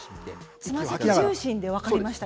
つま先重心で分かりました。